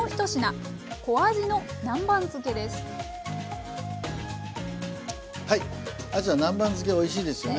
はいあじは南蛮漬けおいしいですよね。